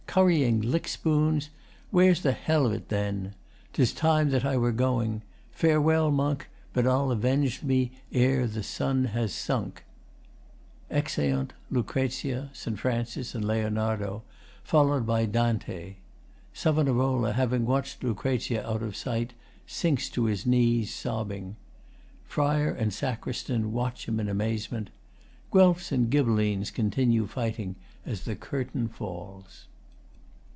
Currying lick spoons! Where's the Hell of 't then? 'Tis time that I were going. Farewell, Monk, But I'll avenge me ere the sun has sunk. [Exeunt LUC., ST. FRAN., and LEONARDO, followed by DAN. SAV., having watched LUC. out of sight, sinks to his knees, sobbing. FRI. and SACR. watch him in amazement. Guelfs and Ghibellines continue fighting as the Curtain falls.